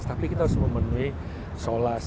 tapi kita harus memenuhi solas